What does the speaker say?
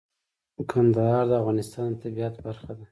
کندهار د افغانستان د طبیعت برخه ده.